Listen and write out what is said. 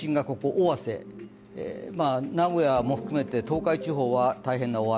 尾鷲、名古屋も含めて東海地方は大変な大雨。